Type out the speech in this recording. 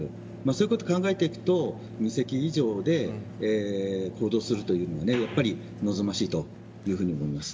そういうことを考えていくと２隻以上で行動するというのがやはり、望ましいと思います。